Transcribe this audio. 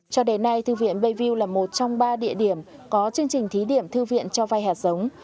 cho đến nay thư viện bayview là một trong ba địa điểm có chương trình thí điểm thư viện cho vay hạt giống